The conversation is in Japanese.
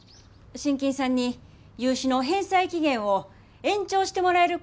信金さんに融資の返済期限を延長してもらえることになりました。